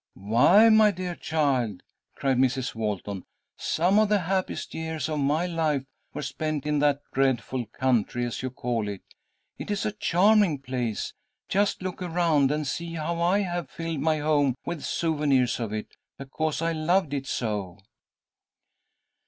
"Why, my dear child," cried Mrs. Walton, "some of the happiest years of my life were spent in that dreadful country, as you call it. It is a charming place. Just look around and see how I have filled my home with souvenirs of it, because I loved it so."